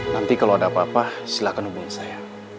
nanti kalau ada apa apa silahkan hubungi saya